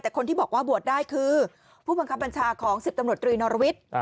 แต่คนที่บอกว่าบวชได้คือผู้บังคับบัญชาของ๑๐ตำรวจตรีนรวิทย์